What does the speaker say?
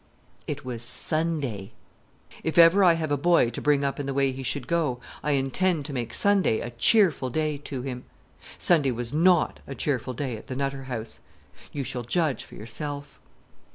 It was Sunday. If ever I have a boy to bring up in the way he should go, I intend to make Sunday a cheerful day to him. Sunday was not a cheerful day at the Nutter House. You shall judge for yourself.